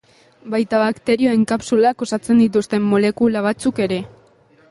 Baita bakterioen kapsulak osatzen dituzten molekula batzuk ere.